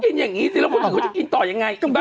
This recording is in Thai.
ก็กินอย่างงี้สิแล้วความถึงเขาจะกินต่อยังไงอีบ้า